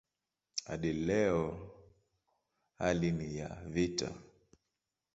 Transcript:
Hadi leo hali ni ya vita.